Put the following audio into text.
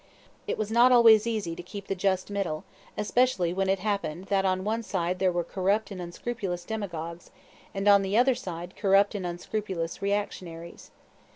It was not always easy to keep the just middle, especially when it happened that on one side there were corrupt and unscrupulous demagogues, and on the other side corrupt and unscrupulous reactionaries.